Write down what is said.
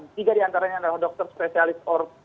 tiga di antaranya adalah dokter spesialis